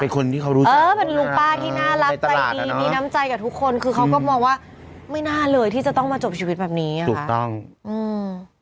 เป็นคนที่เขารู้สึกมากในตลาดอะเนอะคือเขาก็มองว่าไม่น่าเลยที่จะต้องมาจบชีวิตแบบนี้อะค่ะอืม